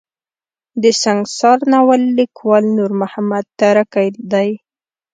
د سنګسار ناول ليکوال نور محمد تره کی دی.